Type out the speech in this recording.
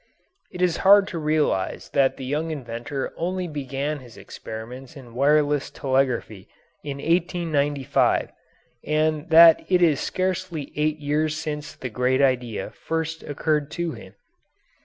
It is hard to realize that the young inventor only began his experiments in wireless telegraphy in 1895, and that it is scarcely eight years since the great idea first occurred to him.